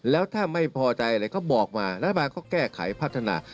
แล้วถ้าไม่พอใจอะไรก็บอกมารัฐบาลก็แก้ไขพัฒนา